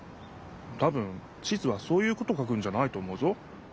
たぶん地図はそういうことを書くんじゃないと思うぞ。